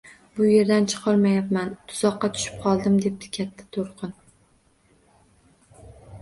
– Bu yerdan chiqolmayapman, tuzoqqa tushib qoldim, – debdi Katta to‘lqin